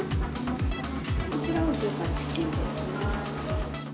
こちらは１８金ですね。